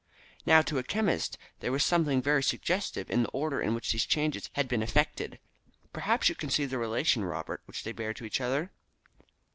"Now, to a chemist, there was something very suggestive in the order in which these changes had been effected. Perhaps you can see the relation, Robert, which they bear to each other?"